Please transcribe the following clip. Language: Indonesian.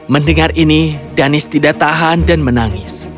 mendengar ini danis tidak tahan dan menangis